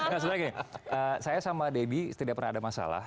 sebenarnya gini saya sama debbie tidak pernah ada masalah